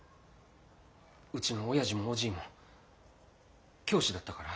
うちの親父もおじぃも教師だったから。